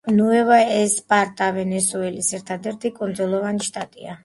ნუევა-ესპარტა ვენესუელის ერთადერთი კუნძულოვანი შტატია.